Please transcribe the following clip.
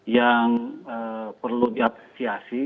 yang perlu diafasiasi